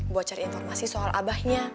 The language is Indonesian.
buat cari informasi soal abahnya